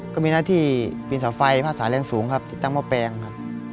ก็มีหน้าที่ปีนเสาไฟภาษาแรงสูงครับติดตั้งหม้อแปลงครับ